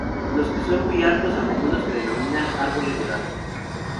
Los que son muy altos a menudo se denominan "árboles de gato".